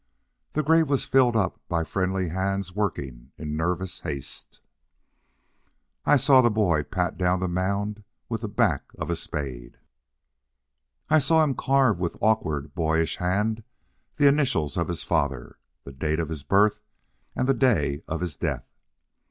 The grave was filled up by friendly hands working in nervous haste. I saw the boy pat down the mound with the back of a spade. I saw him carve with awkward, boyish hands the initials of his father, the date of his birth and the day of his death.